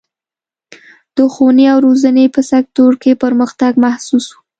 د ښوونې او روزنې په سکتور کې پرمختګ محسوس و.